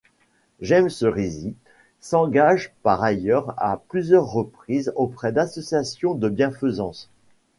James Rizzi s'engage par ailleurs à plusieurs reprises auprès d'associations de bienfaisance.